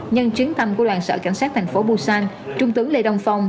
nhân chiến thăm của đoàn sở cảnh sát tp busan trung tướng lê đồng phong